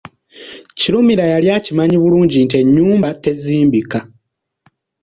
Kirumira yali akimanyi bulungi nti ennyumba tezimbika.